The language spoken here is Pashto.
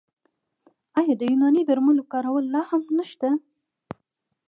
آیا د یوناني درملو کارول لا هم نشته؟